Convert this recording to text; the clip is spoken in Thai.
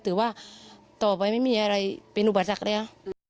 ถือว่าต่อไปไม่มีอะไรเป็นอุปสรรคแล้ว